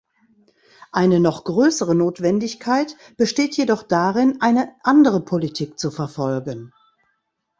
Eine noch größere Notwendigkeit besteht jedoch darin, eine andere Politik zu verfolgen.